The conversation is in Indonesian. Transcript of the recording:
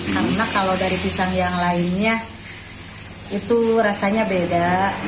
karena kalau dari pisang yang lainnya itu rasanya beda